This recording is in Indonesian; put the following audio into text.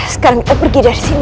sekarang pergi dari sini